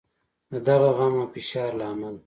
د دغه غم او فشار له امله.